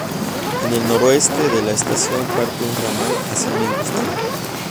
En el noroeste de la estación parte un ramal hacia una industria.